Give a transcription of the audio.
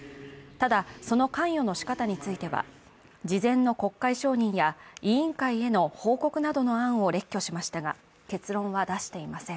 ただ、その関与のしかたについては事前の国会承認や委員会への報告などの案を列挙しましたが結論は出していません。